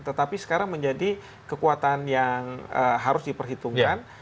tetapi sekarang menjadi kekuatan yang harus diperhitungkan